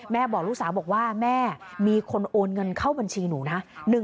บอกลูกสาวบอกว่าแม่มีคนโอนเงินเข้าบัญชีหนูนะ